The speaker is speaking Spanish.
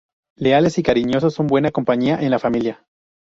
Leales y cariñosos, son una buena compañía en la familia.